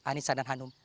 anissa dan hanum